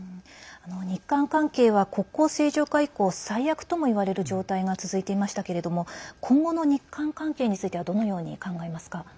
日韓関係は、国交正常化以降最悪とも言われる状態が続いていましたけれども今後の日韓関係についてはどのように考えますか？